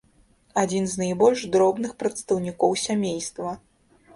Адзін з найбольш дробных прадстаўнікоў сямейства.